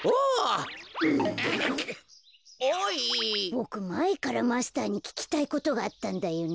ボクまえからマスターにききたいことがあったんだよね。